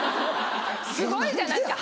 すごいじゃないですか。